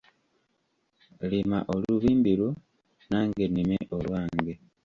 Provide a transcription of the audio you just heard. Lima olubimbi lwo nange nnime olwange.